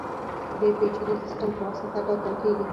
د پېچلي سیستم په واسطه ټاکل کېږي.